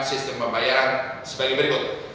sistem pembayaran sebagai berikut